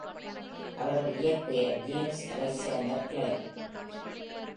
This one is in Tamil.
அவரது இயற்பெயர் ஜேம்ஸ் அலெக்சாண்டர் க்ளென்.